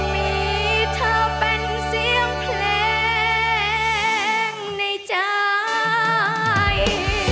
มีเธอเป็นเสียงเพลงในใจ